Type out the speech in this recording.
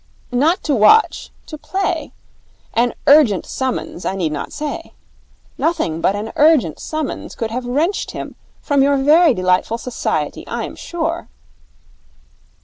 'Not to watch. To play. An urgent summons I need not say. Nothing but an urgent summons could have wrenched him from your very delightful society, I am sure.'